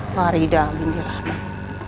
farida binti rahman